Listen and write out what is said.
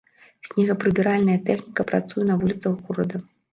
Снегапрыбіральная тэхніка працуе на вуліцах горада.